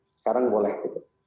sekarang boleh gitu